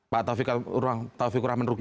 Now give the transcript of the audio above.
pak taufik rahman ruki